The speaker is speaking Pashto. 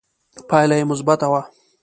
پایله یې مثبته وه